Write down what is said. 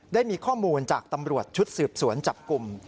ได้มีข้อมูลจากตำรวจชุดสืบสวนจับกลุ่ม